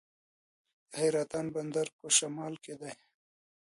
د حیرتان بندر په شمال کې دی